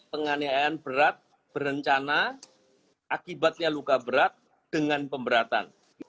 penganiayaan berat berencana akibatnya luka berat dengan pemberatan